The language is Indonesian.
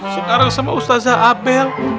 sekarang sama ustadzah abel